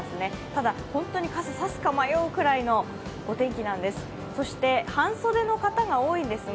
ただ、本当に傘さすか迷うくらいのお天気なんです。